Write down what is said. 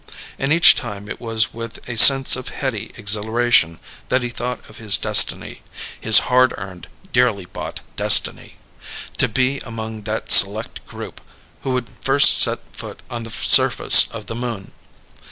And each time it was with a sense of heady exhilaration that he thought of his destiny his hard earned, dearly bought destiny. To be among that select group who would first set foot upon the surface of the Moon!